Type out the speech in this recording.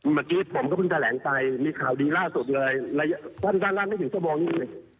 เมื่อกี้ผมก็เพิ่งแถลงไปมีข่าวดีล่าสุดเลยด้านนั้นไม่ถึงสมองนี้